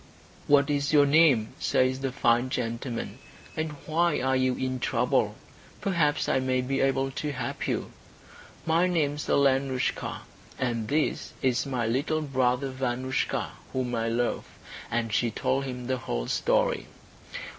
"What is your name," says the fine gentleman, "and why are you in trouble? Perhaps I may be able to help you." "My name is Alenoushka, and this is my little brother Vanoushka, whom I love." And she told him the whole story.